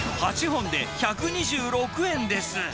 ８本で１２６円です。